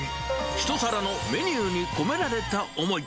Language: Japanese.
１皿のメニューに込められた思い。